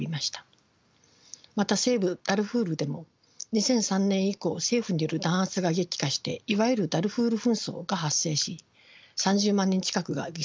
また西部ダルフールでも２００３年以降政府による弾圧が激化していわゆるダルフール紛争が発生し３０万人近くが犠牲となりました。